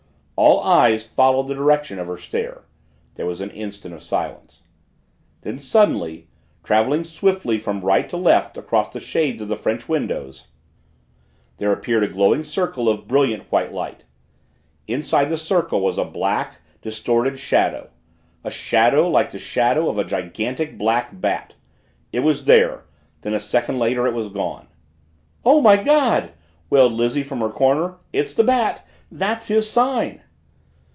All eyes followed the direction of her stare. There was an instant of silence. Then, suddenly, traveling swiftly from right to left across the shades of the French windows, there appeared a glowing circle of brilliant white light. Inside the circle was a black, distorted shadow a shadow like the shadow of a gigantic black Bat! It was there then a second later, it was gone! "Oh, my God!" wailed Lizzie from her corner. "It's the Bat that's his sign!"